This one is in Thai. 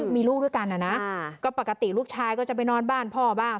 มีลูกด้วยกันนะก็ปกติลูกชายก็จะไปนอนบ้านพ่อบ้าง